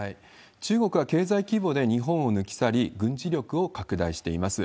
中国は経済規模で日本を抜き去り、軍事力を拡大しています。